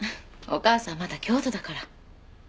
お母さんまだ京都だから。